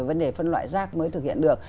vấn đề phân loại rác mới thực hiện được